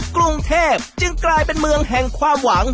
กรุงเทพจึงกลายเป็นเมืองแห่งความหวัง